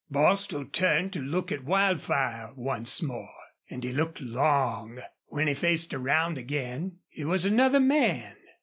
Bostil turned to look at Wildfire once more, and he looked long. When he faced around again he was another man.